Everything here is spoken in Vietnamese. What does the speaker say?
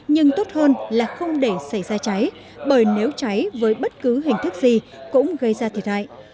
nhưng tốt hơn là không để xảy ra cháy bởi nếu cháy với bất cứ hình thức gì cũng gây ra thiệt hại